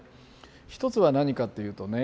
一つは何かっていうとね